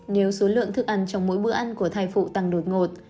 nếu số lượng thức ăn trong mỗi bữa ăn của thai phụ tăng đột ngột